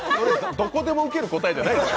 どこでもウケる答えじゃないですよ。